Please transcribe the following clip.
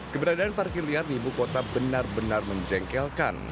keberadaan parkir liar di ibu kota benar benar menjengkelkan